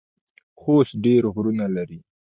خوست ډیر غرونه لري